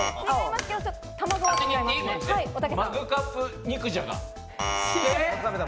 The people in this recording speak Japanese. マグカップ肉じゃが。